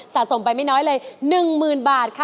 สะสมไปไม่น้อยเลย๑๐๐๐บาทค่ะ